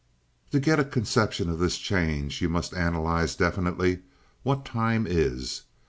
"To get a conception of this change you must analyze definitely what time is.